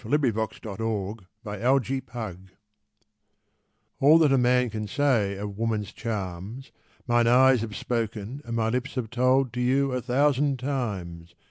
A BACHELOR TO A MARRIED FLIRT ALL that a man can say of woman's charms, Mine eyes have spoken and my lips have told To you a thousand times.